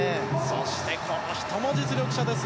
そしてこの人も実力者です。